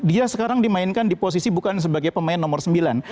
dia sekarang dimainkan di posisi bukan sebagai pemain nomor sembilan